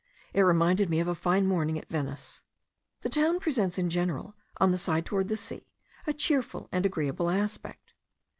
It reminded me of a fine morning at Venice. The town presents in general, on the side towards the sea, a cheerful and agreeable aspect.